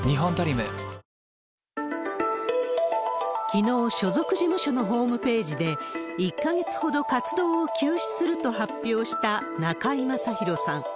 きのう、所属事務所のホームページで、１か月ほど活動を休止すると発表した中居正広さん。